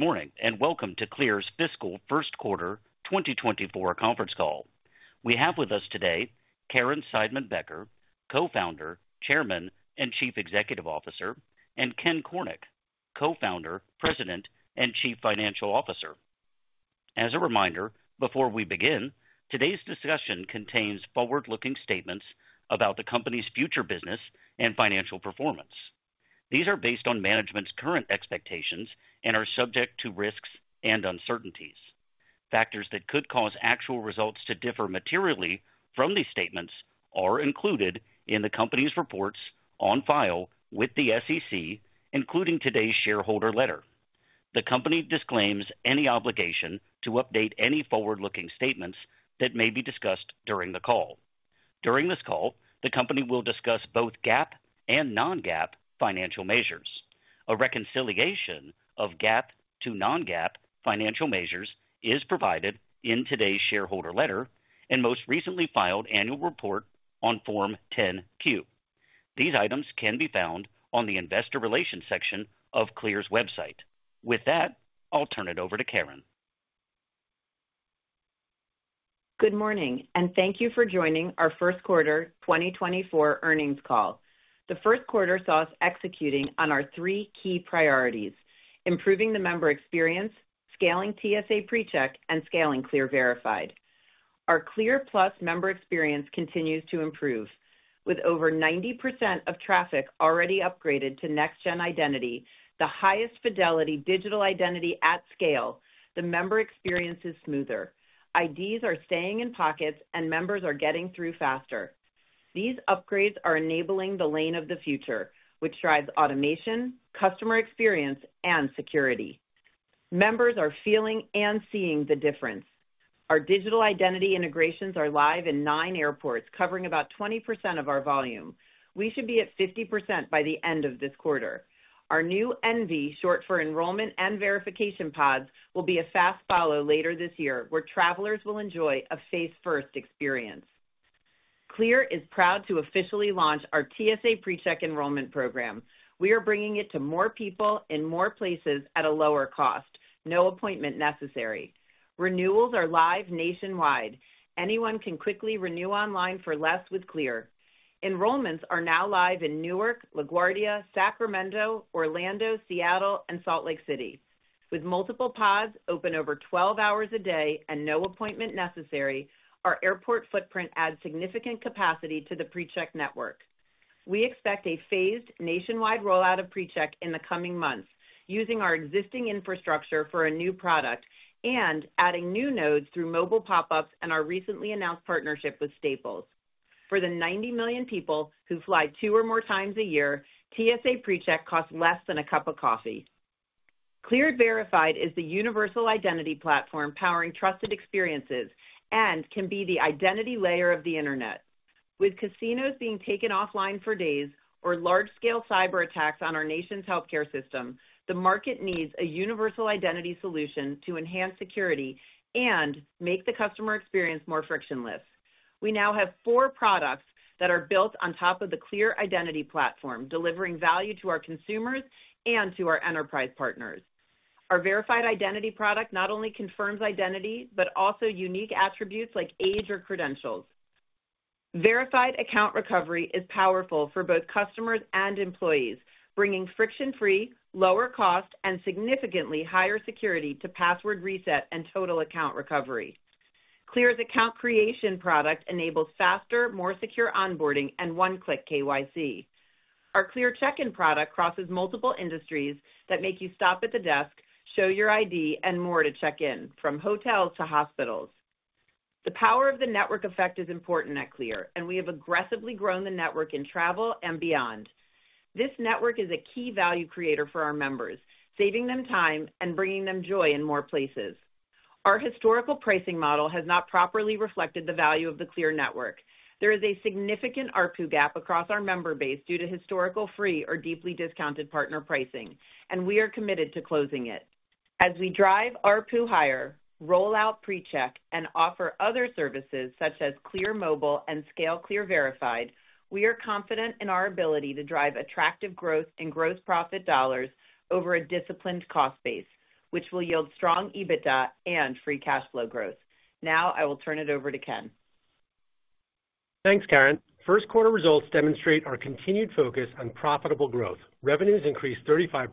Good morning and welcome to CLEAR's fiscal first quarter 2024 conference call. We have with us today Caryn Seidman-Becker, Co-founder, Chairman, and Chief Executive Officer, and Ken Cornick, Co-founder, President, and Chief Financial Officer. As a reminder, before we begin, today's discussion contains forward-looking statements about the company's future business and financial performance. These are based on management's current expectations and are subject to risks and uncertainties. Factors that could cause actual results to differ materially from these statements are included in the company's reports on file with the SEC, including today's shareholder letter. The company disclaims any obligation to update any forward-looking statements that may be discussed during the call. During this call, the company will discuss both GAAP and non-GAAP financial measures. A reconciliation of GAAP to non-GAAP financial measures is provided in today's shareholder letter and most recently filed annual report on Form 10-Q. These items can be found on the investor relations section of CLEAR's website. With that, I'll turn it over to Caryn. Good morning, and thank you for joining our first quarter 2024 earnings call. The first quarter saw us executing on our three key priorities: improving the member experience, scaling TSA PreCheck, and scaling CLEAR Verified. Our CLEAR Plus member experience continues to improve. With over 90% of traffic already upgraded to NextGen Identity, the highest fidelity digital identity at scale, the member experience is smoother, IDs are staying in pockets, and members are getting through faster. These upgrades are enabling the Lane of the Future, which drives automation, customer experience, and security. Members are feeling and seeing the difference. Our digital identity integrations are live in nine airports, covering about 20% of our volume. We should be at 50% by the end of this quarter. Our new E+V, short for Enrollment and Verification Pods, will be a fast-follow later this year, where travelers will enjoy a face-first experience. CLEAR is proud to officially launch our TSA PreCheck enrollment program. We are bringing it to more people in more places at a lower cost, no appointment necessary. Renewals are live nationwide. Anyone can quickly renew online for less with CLEAR. Enrollments are now live in Newark, LaGuardia, Sacramento, Orlando, Seattle, and Salt Lake City. With multiple pods open over 12 hours a day and no appointment necessary, our airport footprint adds significant capacity to the PreCheck network. We expect a phased nationwide rollout of PreCheck in the coming months, using our existing infrastructure for a new product and adding new nodes through mobile pop-ups and our recently announced partnership with Staples. For the 90 million people who fly two or more times a year, TSA PreCheck costs less than a cup of coffee. CLEAR Verified is the universal identity platform powering trusted experiences and can be the identity layer of the internet. With casinos being taken offline for days or large-scale cyberattacks on our nation's healthcare system, the market needs a universal identity solution to enhance security and make the customer experience more frictionless. We now have four products that are built on top of the CLEAR Identity platform, delivering value to our consumers and to our enterprise partners. Our Verified Identity product not only confirms identity but also unique attributes like age or credentials. Verified Account Recovery is powerful for both customers and employees, bringing friction-free, lower cost, and significantly higher security to password reset and total account recovery. CLEAR's Account Creation product enables faster, more secure onboarding and one-click KYC. Our CLEAR Check-In product crosses multiple industries that make you stop at the desk, show your ID, and more to check in, from hotels to hospitals. The power of the network effect is important at CLEAR, and we have aggressively grown the network in travel and beyond. This network is a key value creator for our members, saving them time and bringing them joy in more places. Our historical pricing model has not properly reflected the value of the CLEAR network. There is a significant ARPU gap across our member base due to historical free or deeply discounted partner pricing, and we are committed to closing it. As we drive ARPU higher, rollout PreCheck, and offer other services such as CLEAR Mobile and scale CLEAR Verified, we are confident in our ability to drive attractive growth in gross profit dollars over a disciplined cost base, which will yield strong EBITDA and free cash flow growth. Now I will turn it over to Ken. Thanks, Caryn. First quarter results demonstrate our continued focus on profitable growth. Revenues increased 35%,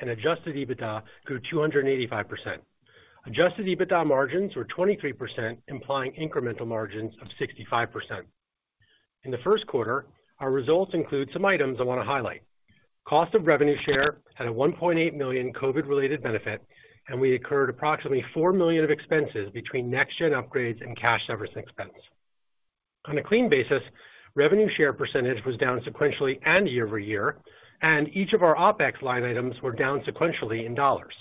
and adjusted EBITDA grew 285%. Adjusted EBITDA margins were 23%, implying incremental margins of 65%. In the first quarter, our results include some items I want to highlight. Cost of revenue share had a $1.8 million COVID-related benefit, and we incurred approximately $4 million of expenses between NextGen upgrades and cash severance expense. On a clean basis, revenue share percentage was down sequentially and year-over-year, and each of our OPEX line items were down sequentially in dollars.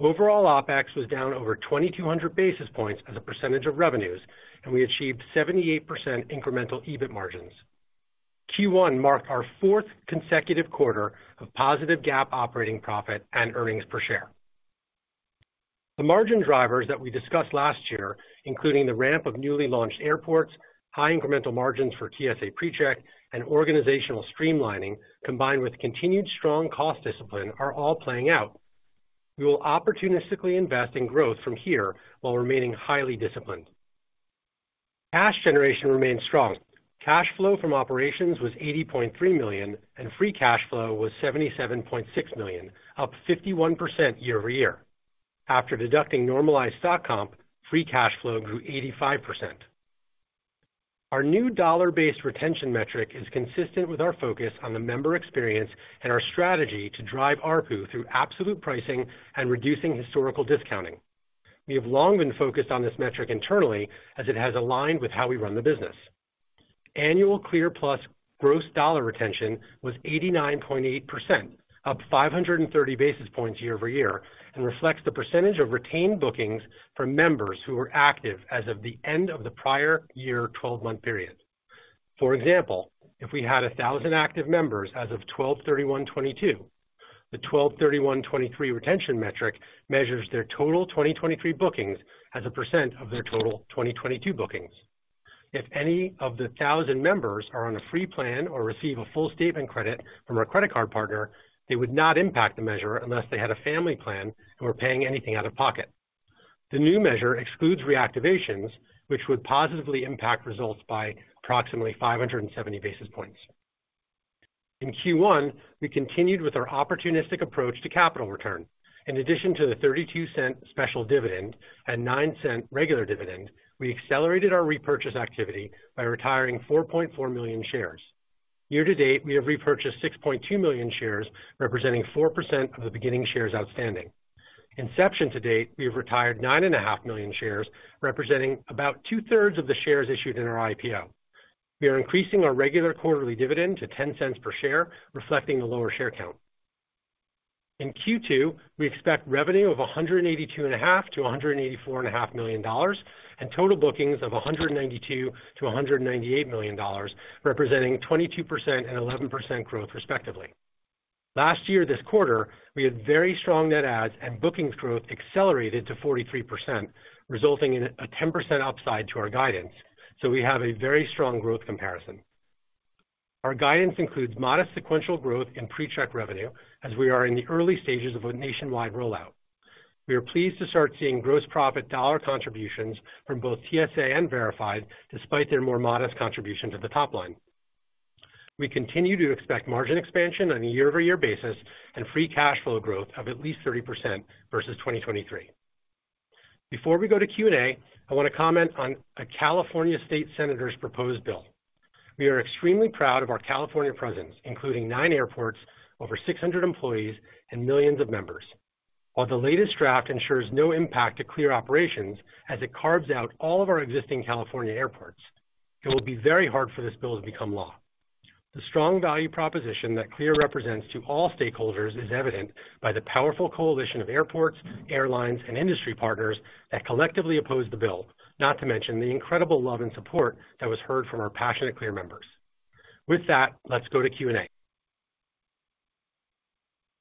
Overall OPEX was down over 2,200 basis points as a percentage of revenues, and we achieved 78% incremental EBIT margins. Q1 marked our fourth consecutive quarter of positive GAAP operating profit and earnings per share. The margin drivers that we discussed last year, including the ramp of newly launched airports, high incremental margins for TSA PreCheck, and organizational streamlining combined with continued strong cost discipline, are all playing out. We will opportunistically invest in growth from here while remaining highly disciplined. Cash generation remained strong. Cash flow from operations was $80.3 million, and free cash flow was $77.6 million, up 51% year over year. After deducting normalized stock comp, free cash flow grew 85%. Our new dollar-based retention metric is consistent with our focus on the member experience and our strategy to drive ARPU through absolute pricing and reducing historical discounting. We have long been focused on this metric internally as it has aligned with how we run the business. Annual CLEAR Plus gross dollar retention was 89.8%, up 530 basis points year-over-year, and reflects the percentage of retained bookings from members who were active as of the end of the prior year 12-month period. For example, if we had 1,000 active members as of 12/31/2022, the 12/31/2023 retention metric measures their total 2023 bookings as a percent of their total 2022 bookings. If any of the 1,000 members are on a free plan or receive a full statement credit from our credit card partner, they would not impact the measure unless they had a family plan and were paying anything out of pocket. The new measure excludes reactivations, which would positively impact results by approximately 570 basis points. In Q1, we continued with our opportunistic approach to capital return. In addition to the $0.32 special dividend and $0.09 regular dividend, we accelerated our repurchase activity by retiring 4.4 million shares. Year to date, we have repurchased 6.2 million shares, representing 4% of the beginning shares outstanding. Inception to date, we have retired 9.5 million shares, representing about two-thirds of the shares issued in our IPO. We are increasing our regular quarterly dividend to $0.10 per share, reflecting the lower share count. In Q2, we expect revenue of $182.5 million-$184.5 million and total bookings of $192 million-$198 million, representing 22% and 11% growth, respectively. Last year this quarter, we had very strong net adds, and bookings growth accelerated to 43%, resulting in a 10% upside to our guidance. So we have a very strong growth comparison. Our guidance includes modest sequential growth in PreCheck revenue as we are in the early stages of a nationwide rollout. We are pleased to start seeing gross profit dollar contributions from both TSA and Verified, despite their more modest contribution to the top line. We continue to expect margin expansion on a year-over-year basis and free cash flow growth of at least 30% versus 2023. Before we go to Q&A, I want to comment on a California state senator's proposed bill. We are extremely proud of our California presence, including nine airports, over 600 employees, and millions of members. While the latest draft ensures no impact to CLEAR operations as it carves out all of our existing California airports, it will be very hard for this bill to become law. The strong value proposition that CLEAR represents to all stakeholders is evident by the powerful coalition of airports, airlines, and industry partners that collectively opposed the bill, not to mention the incredible love and support that was heard from our passionate CLEAR members. With that, let's go to Q&A.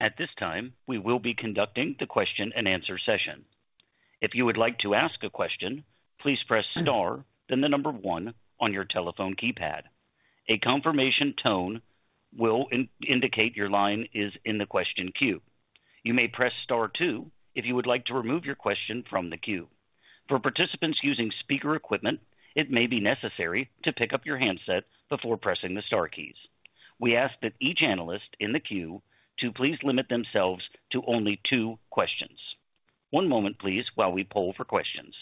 At this time, we will be conducting the question-and-answer session. If you would like to ask a question, please press * then the number 1 on your telephone keypad. A confirmation tone will indicate your line is in the question queue. You may press * 2 if you would like to remove your question from the queue. For participants using speaker equipment, it may be necessary to pick up your handset before pressing the * keys. We ask that each analyst in the queue to please limit themselves to only two questions. One moment, please, while we poll for questions.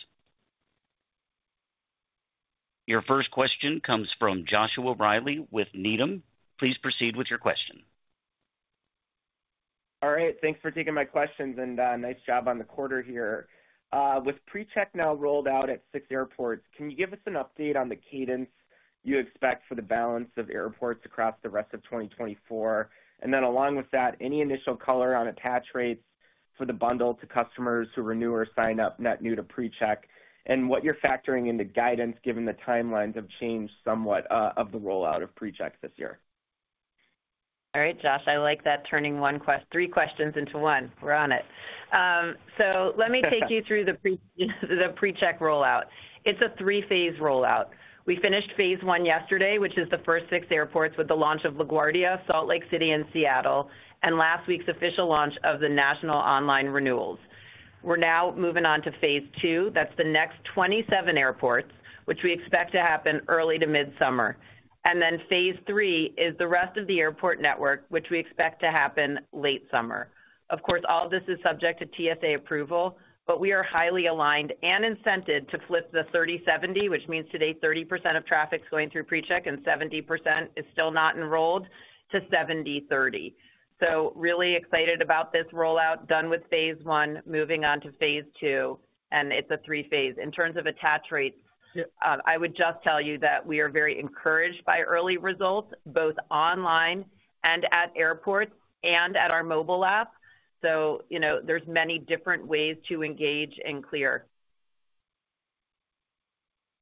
Your first question comes from Joshua Reilly with Needham. Please proceed with your question. All right. Thanks for taking my questions, and nice job on the quarter here. With PreCheck now rolled out at six airports, can you give us an update on the cadence you expect for the balance of airports across the rest of 2024? And then along with that, any initial color on attach rates for the bundle to customers who renew or sign up net new to PreCheck, and what you're factoring into guidance given the timelines have changed somewhat of the rollout of PreCheck this year. All right, Josh. I like that turning three questions into one. We're on it. So let me take you through the PreCheck rollout. It's a three-phase rollout. We finished phase one yesterday, which is the first six airports with the launch of LaGuardia, Salt Lake City, and Seattle, and last week's official launch of the national online renewals. We're now moving on to phase two. That's the next 27 airports, which we expect to happen early to mid-summer. And then phase three is the rest of the airport network, which we expect to happen late summer. Of course, all of this is subject to TSA approval, but we are highly aligned and incented to flip the 30/70, which means today 30% of traffic is going through PreCheck and 70% is still not enrolled, to 70/30. So, really excited about this rollout, done with phase one, moving on to phase two, and it's a three-phase. In terms of attach rates, I would just tell you that we are very encouraged by early results, both online and at airports and at our mobile app. So there's many different ways to engage in CLEAR.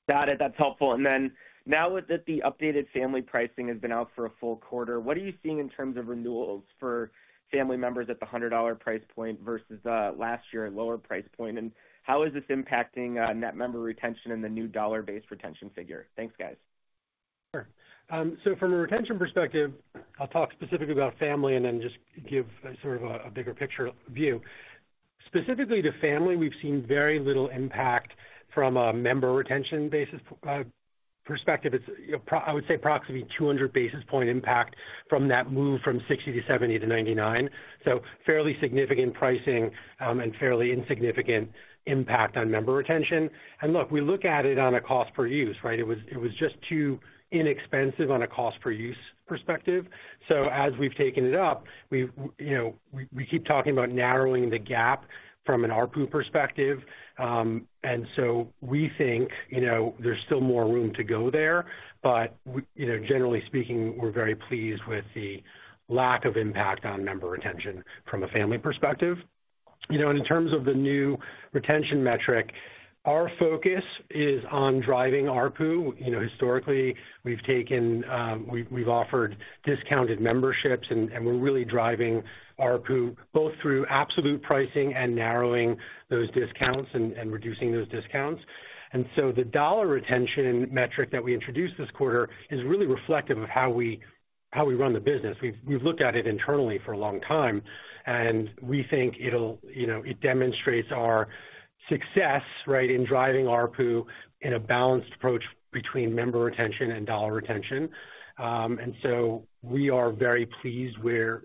Got it. That's helpful. And then now that the updated family pricing has been out for a full quarter, what are you seeing in terms of renewals for family members at the $100 price point versus last year at a lower price point? And how is this impacting Net Member Retention and the new dollar-based retention figure? Thanks, guys. Sure. So from a retention perspective, I'll talk specifically about family and then just give sort of a bigger picture view. Specifically to family, we've seen very little impact from a member retention perspective. It's, I would say, approximately 200 basis point impact from that move from 60 to 70 to 99. So fairly significant pricing and fairly insignificant impact on member retention. And look, we look at it on a cost per use, right? It was just too inexpensive on a cost per use perspective. So as we've taken it up, we keep talking about narrowing the gap from an ARPU perspective. And so we think there's still more room to go there. But generally speaking, we're very pleased with the lack of impact on member retention from a family perspective. And in terms of the new retention metric, our focus is on driving ARPU. Historically, we've offered discounted memberships, and we're really driving ARPU both through absolute pricing and narrowing those discounts and reducing those discounts. And so the dollar retention metric that we introduced this quarter is really reflective of how we run the business. We've looked at it internally for a long time, and we think it demonstrates our success in driving ARPU in a balanced approach between member retention and dollar retention. And so we are very pleased with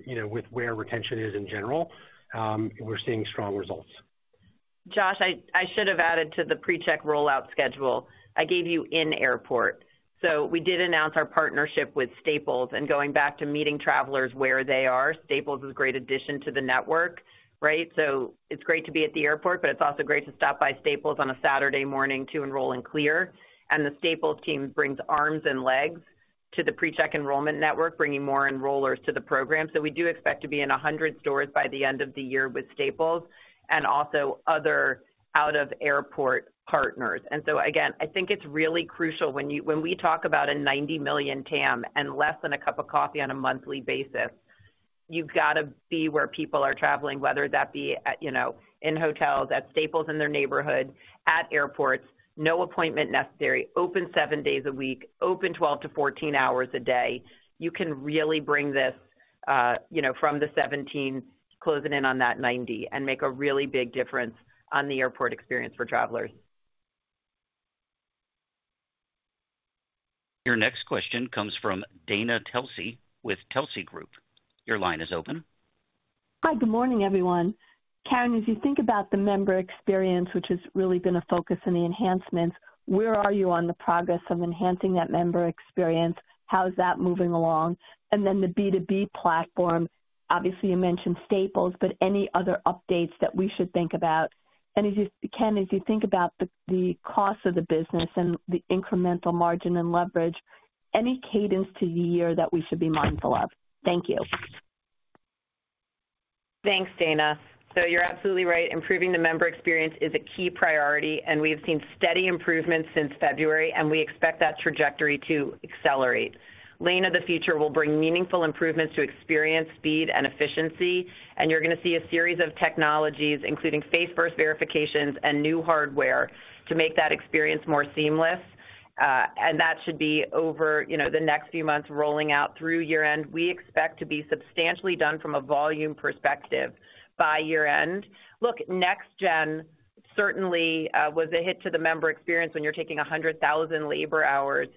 where retention is in general. We're seeing strong results. Josh, I should have added to the PreCheck rollout schedule. I gave you in airport. So we did announce our partnership with Staples. And going back to meeting travelers where they are, Staples is a great addition to the network, right? So it's great to be at the airport, but it's also great to stop by Staples on a Saturday morning to enroll in CLEAR. And the Staples team brings arms and legs to the PreCheck enrollment network, bringing more enrollers to the program. So we do expect to be in 100 stores by the end of the year with Staples and also other out-of-airport partners. And so again, I think it's really crucial when we talk about a $90 million TAM and less than a cup of coffee on a monthly basis, you've got to be where people are traveling, whether that be in hotels, at Staples in their neighborhood, at airports, no appointment necessary, open seven days a week, open 12-14 hours a day. You can really bring this from the 17, closing in on that 90, and make a really big difference on the airport experience for travelers. Your next question comes from Dana Telsey with Telsey Advisory Group. Your line is open. Hi. Good morning, everyone. Caryn, as you think about the member experience, which has really been a focus in the enhancements, where are you on the progress of enhancing that member experience? How is that moving along? And then the B2B platform, obviously, you mentioned Staples, but any other updates that we should think about? And Ken, as you think about the cost of the business and the incremental margin and leverage, any cadence to the year that we should be mindful of? Thank you. Thanks, Dana. So you're absolutely right. Improving the member experience is a key priority, and we have seen steady improvements since February, and we expect that trajectory to accelerate. Lane of the Future will bring meaningful improvements to experience, speed, and efficiency, and you're going to see a series of technologies, including face-first verifications and new hardware, to make that experience more seamless. And that should be over the next few months rolling out through year-end. We expect to be substantially done from a volume perspective by year-end. Look, NextGen certainly was a hit to the member experience when you're taking 100,000 labor hours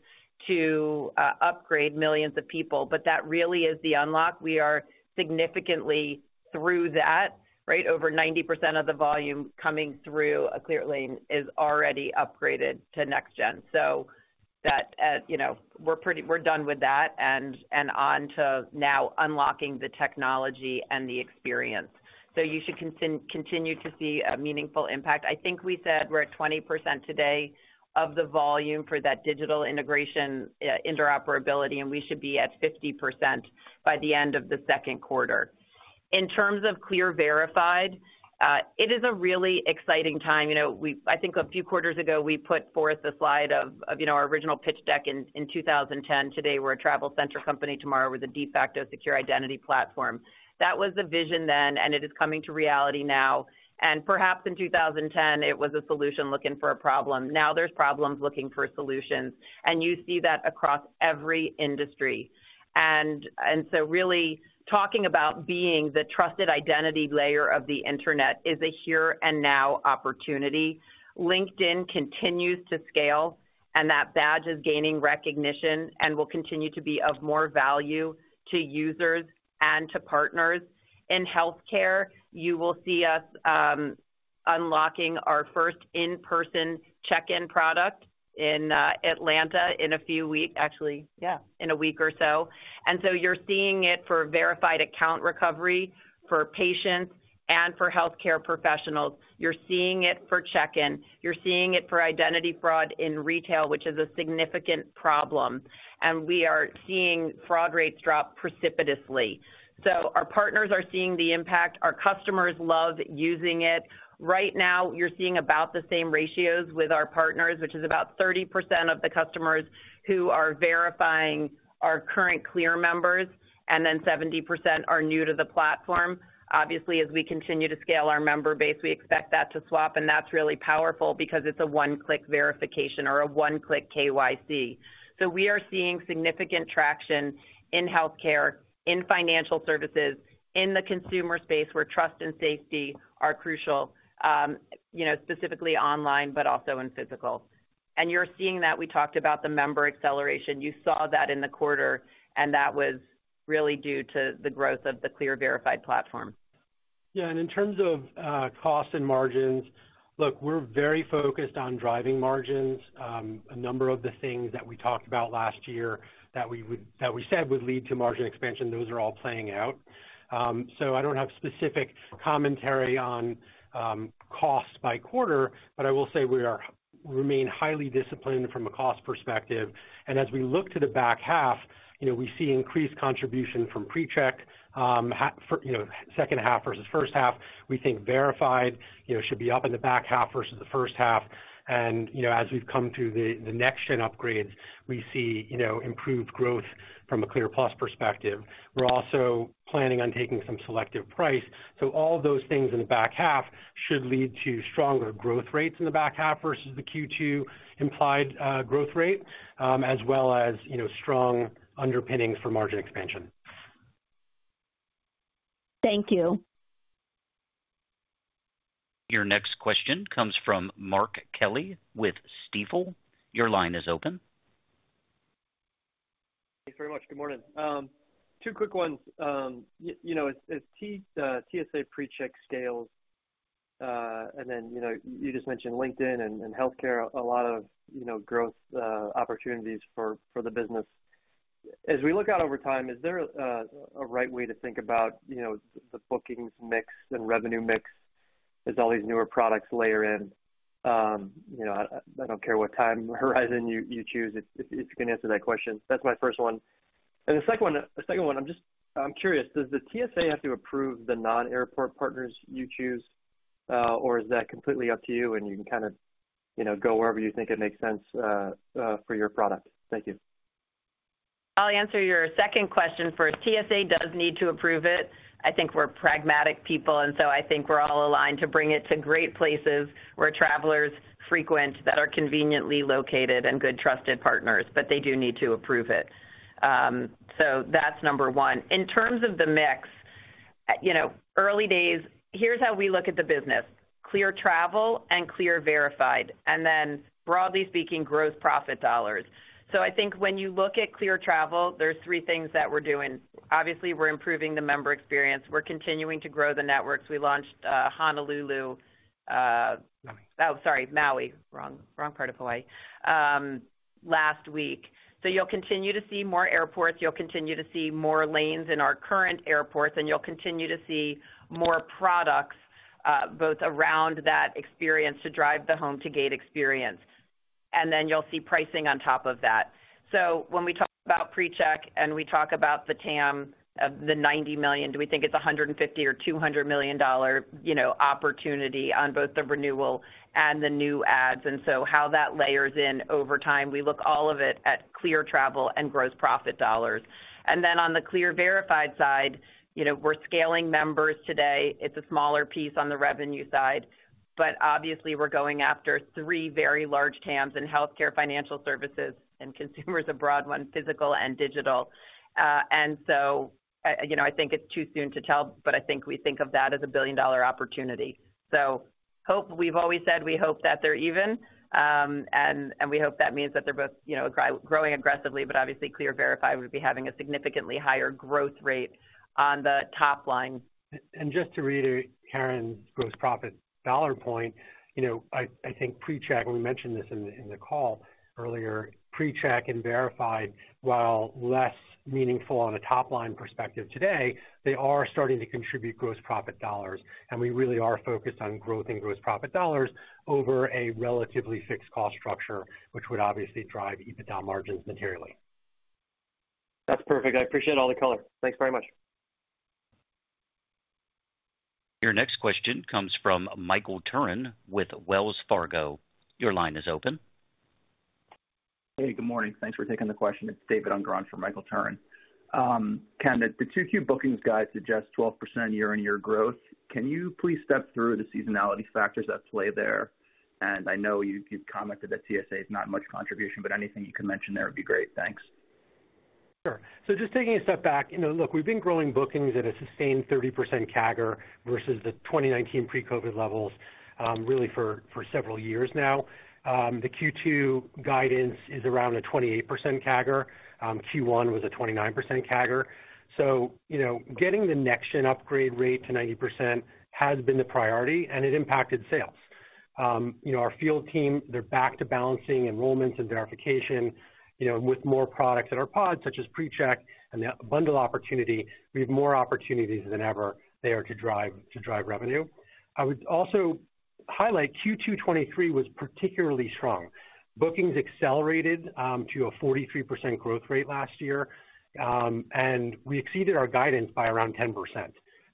to upgrade millions of people. But that really is the unlock. We are significantly through that, right? Over 90% of the volume coming through CLEAR Lane is already upgraded to NextGen. So we're done with that and on to now unlocking the technology and the experience. So you should continue to see a meaningful impact. I think we said we're at 20% today of the volume for that digital integration interoperability, and we should be at 50% by the end of the second quarter. In terms of CLEAR Verified, it is a really exciting time. I think a few quarters ago, we put forth a slide of our original pitch deck in 2010. Today, we're a travel center company. Tomorrow, we're the de facto secure identity platform. That was the vision then, and it is coming to reality now. And perhaps in 2010, it was a solution looking for a problem. Now there's problems looking for solutions, and you see that across every industry. And so really talking about being the trusted identity layer of the internet is a here and now opportunity. LinkedIn continues to scale, and that badge is gaining recognition and will continue to be of more value to users and to partners. In healthcare, you will see us unlocking our first in-person check-in product in Atlanta in a few weeks, actually, yeah, in a week or so. And so you're seeing it for verified account recovery for patients and for healthcare professionals. You're seeing it for check-in. You're seeing it for identity fraud in retail, which is a significant problem. And we are seeing fraud rates drop precipitously. So our partners are seeing the impact. Our customers love using it. Right now, you're seeing about the same ratios with our partners, which is about 30% of the customers who are verifying our current CLEAR members, and then 70% are new to the platform. Obviously, as we continue to scale our member base, we expect that to swap, and that's really powerful because it's a one-click verification or a one-click KYC. So we are seeing significant traction in healthcare, in financial services, in the consumer space where trust and safety are crucial, specifically online but also in physical. And you're seeing that. We talked about the member acceleration. You saw that in the quarter, and that was really due to the growth of the CLEAR Verified platform. Yeah. And in terms of costs and margins, look, we're very focused on driving margins. A number of the things that we talked about last year that we said would lead to margin expansion, those are all playing out. So I don't have specific commentary on costs by quarter, but I will say we remain highly disciplined from a cost perspective. And as we look to the back half, we see increased contribution from PreCheck. Second half versus first half, we think Verified should be up in the back half versus the first half. And as we've come through the NextGen upgrades, we see improved growth from a CLEAR Plus perspective. We're also planning on taking some selective price. So all of those things in the back half should lead to stronger growth rates in the back half versus the Q2 implied growth rate, as well as strong underpinnings for margin expansion. Thank you. Your next question comes from Mark Kelley with Stifel. Your line is open. Thanks very much. Good morning. Two quick ones. As TSA PreCheck scales, and then you just mentioned LinkedIn and healthcare, a lot of growth opportunities for the business. As we look out over time, is there a right way to think about the bookings mix and revenue mix as all these newer products layer in? I don't care what time horizon you choose. It's going to answer that question. That's my first one. And the second one, I'm curious, does the TSA have to approve the non-airport partners you choose, or is that completely up to you, and you can kind of go wherever you think it makes sense for your product? Thank you. I'll answer your second question first. TSA does need to approve it. I think we're pragmatic people, and so I think we're all aligned to bring it to great places where travelers frequent that are conveniently located and good trusted partners, but they do need to approve it. That's number one. In terms of the mix, early days, here's how we look at the business: CLEAR Travel and CLEAR Verified, and then broadly speaking, gross profit dollars. I think when you look at CLEAR Travel, there's three things that we're doing. Obviously, we're improving the member experience. We're continuing to grow the networks. We launched Honolulu. Maui. Oh, sorry, Maui. Wrong part of Hawaii last week. So you'll continue to see more airports. You'll continue to see more lanes in our current airports, and you'll continue to see more products both around that experience to drive the home-to-gate experience. And then you'll see pricing on top of that. So when we talk about PreCheck and we talk about the TAM of the 90 million, do we think it's a $150 million-$200 million opportunity on both the renewal and the new ads? And so how that layers in over time, we look all of it at CLEAR Travel and gross profit dollars. And then on the CLEAR Verified side, we're scaling members today. It's a smaller piece on the revenue side. But obviously, we're going after three very large TAMs in healthcare, financial services, and consumers abroad, one physical and digital. And so I think it's too soon to tell, but I think we think of that as a billion-dollar opportunity. So we've always said we hope that they're even, and we hope that means that they're both growing aggressively. But obviously, CLEAR Verified would be having a significantly higher growth rate on the top line. Just to reiterate Caryn's gross profit dollar point, I think PreCheck, and we mentioned this in the call earlier, PreCheck and Verified, while less meaningful on a top line perspective today, they are starting to contribute gross profit dollars. We really are focused on growth in gross profit dollars over a relatively fixed cost structure, which would obviously drive EBITDA margins materially. That's perfect. I appreciate all the color. Thanks very much. Your next question comes from Michael Turrin with Wells Fargo. Your line is open. Hey, good morning. Thanks for taking the question. It's David Unger from Michael Turrin. Ken, the 2Q bookings guide suggests 12% year-on-year growth. Can you please step through the seasonality factors at play there? And I know you've commented that TSA is not much contribution, but anything you could mention there would be great. Thanks. Sure. So just taking a step back, look, we've been growing bookings at a sustained 30% CAGR versus the 2019 pre-COVID levels, really for several years now. The Q2 guidance is around a 28% CAGR. Q1 was a 29% CAGR. So getting the NextGen upgrade rate to 90% has been the priority, and it impacted sales. Our field team, they're back to balancing enrollments and verification. With more products at our pod, such as PreCheck and the bundle opportunity, we have more opportunities than ever there to drive revenue. I would also highlight Q2 2023 was particularly strong. Bookings accelerated to a 43% growth rate last year, and we exceeded our guidance by around 10%.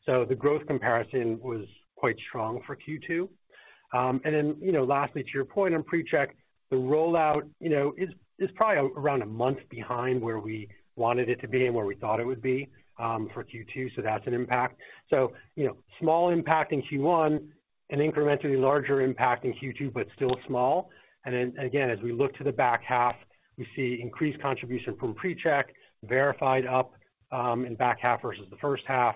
So the growth comparison was quite strong for Q2. And then lastly, to your point on PreCheck, the rollout is probably around a month behind where we wanted it to be and where we thought it would be for Q2. So that's an impact. So small impact in Q1, an incrementally larger impact in Q2, but still small. And again, as we look to the back half, we see increased contribution from PreCheck, Verified up in back half versus the first half,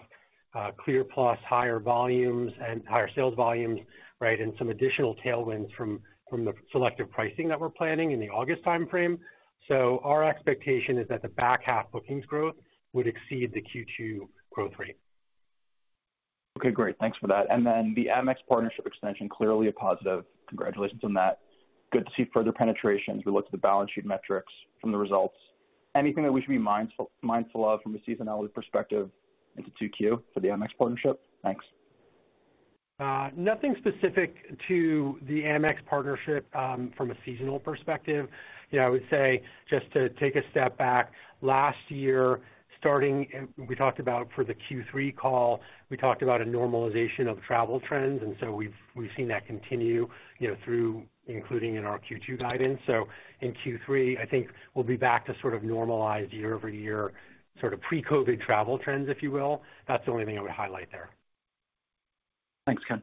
CLEAR Plus higher volumes and higher sales volumes, right, and some additional tailwinds from the selective pricing that we're planning in the August time frame. So our expectation is that the back half bookings growth would exceed the Q2 growth rate. Okay. Great. Thanks for that. And then the Amex partnership extension, clearly a positive. Congratulations on that. Good to see further penetrations. We looked at the balance sheet metrics from the results. Anything that we should be mindful of from a seasonality perspective into 2Q for the Amex partnership? Thanks. Nothing specific to the Amex partnership from a seasonal perspective. I would say just to take a step back, last year, starting we talked about for the Q3 call, we talked about a normalization of travel trends. And so we've seen that continue through including in our Q2 guidance. So in Q3, I think we'll be back to sort of normalized year-over-year sort of pre-COVID travel trends, if you will. That's the only thing I would highlight there. Thanks, Ken.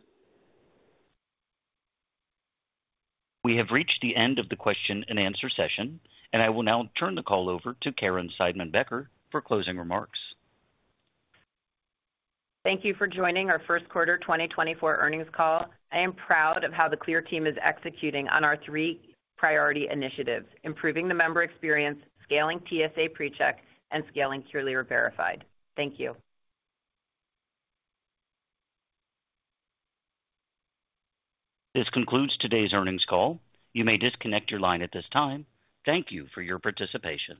We have reached the end of the question and answer session, and I will now turn the call over to Caryn Seidman-Becker for closing remarks. Thank you for joining our first quarter 2024 earnings call. I am proud of how the CLEAR team is executing on our three priority initiatives: improving the member experience, scaling TSA PreCheck, and scaling CLEAR Verified. Thank you. This concludes today's earnings call. You may disconnect your line at this time. Thank you for your participation.